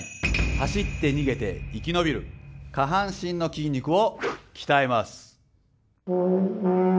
走って逃げて生き延びる下半身の筋肉を鍛えます。